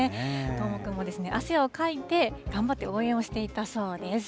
どーもくんも汗をかいて、頑張って応援をしていたそうです。